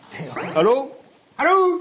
ハロー。